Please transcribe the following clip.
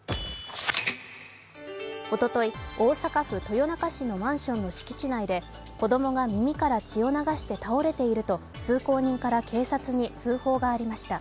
おととい、大阪府豊中市のマンションの敷地内で、子供が耳から血を流して倒れていると通行人から警察に通報がありました。